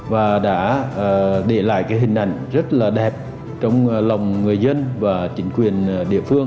và đã để lại cái hình ảnh rất là đẹp trong lòng người dân và chính quyền địa phương